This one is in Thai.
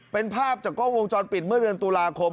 เป็นภาพจากกล้องวงจรปิดเมื่อเดือนตุลาคม